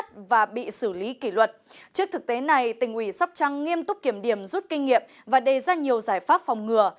trước thực tế này tỉnh ủy sóc trăng nghiêm túc kiểm điểm rút kinh nghiệm và đề ra nhiều giải pháp phòng ngừa